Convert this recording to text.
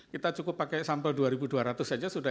kita cukup pakai sampel dua ribu dua ratus saja sudah